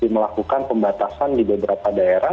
melakukan pembatasan di beberapa daerah